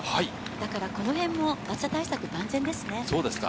だからこのへんも、暑さ対策万全そうですか。